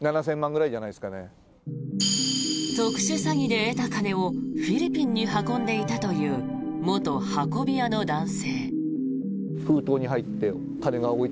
特殊詐欺で得た金をフィリピンに運んでいたという元運び屋の男性。